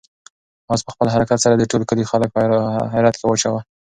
آس په خپل حرکت سره د ټول کلي خلک په حیرت کې واچول.